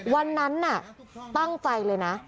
วันนั้นน่ะตั้งใจเลยนะ